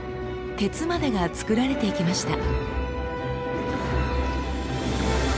鉄までが作られていきました。